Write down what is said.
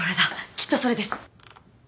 きっとそれです。